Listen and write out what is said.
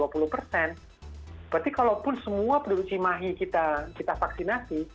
berarti kalaupun semua penduduk cimahi kita vaksinasi